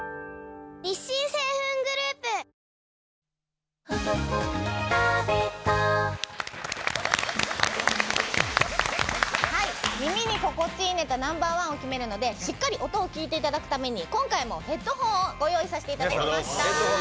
大豆麺キッコーマン耳に心地いいＮｏ．１を決めるのでしっかり音を聴いていただくために今回もヘッドホンをご用意させていただきました。